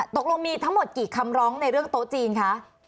ตกลงมีทั้งหมดกี่คำร้องในเรื่องโต๊ะจีนคะ